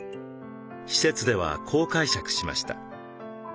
施設ではこう解釈しました。